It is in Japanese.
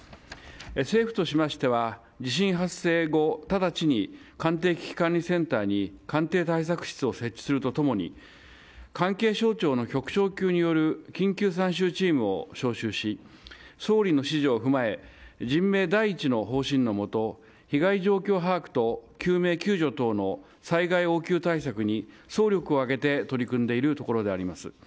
政府としましては地震発生後直ちに官邸危機管理センターに官邸対策室を設置すると共に関係省庁の局長級による緊急参集チームを招集し、総理の指示を踏まえ人命第一の方針のもと被害状況把握と救命・救助等の災害応急対策に総力を挙げて取り組んでいるところであります。